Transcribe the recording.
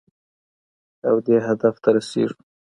او دې هدف ته رسېږو.